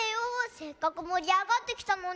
せっかくもりあがってきたのに。